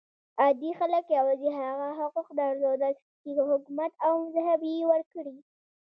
عادي خلک یوازې هغه حقوق درلودل چې حکومت او مذهب یې ورکړي.